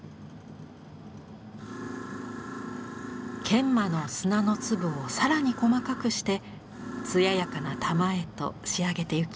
研磨の砂の粒を更に細かくして艶やかな玉へと仕上げてゆきます。